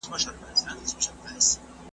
د دښمن له فکر او مِکره ناپوهي ده ,